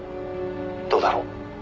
どうだろう？」